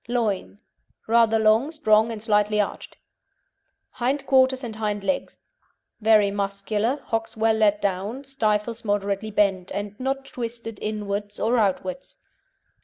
LOIN Rather long, strong, and slightly arched. HIND QUARTERS AND HIND LEGS Very muscular, hocks well let down, stifles moderately bent, and not twisted inwards or outwards.